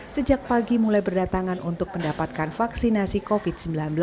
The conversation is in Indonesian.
sejak pagi mulai berdatangan untuk mendapatkan vaksinasi covid sembilan belas